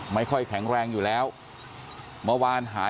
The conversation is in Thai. ไม่ค่อยแข็งแรงอยู่แล้ว